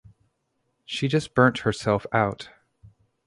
She just burnt herself out.